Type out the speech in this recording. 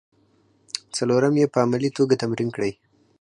څلورم یې په عملي توګه تمرین کړئ.